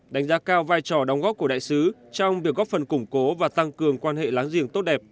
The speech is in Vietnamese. đánh giá cao vai trò đóng góp của đại sứ trong việc góp phần củng cố và tăng cường quan hệ láng giềng tốt đẹp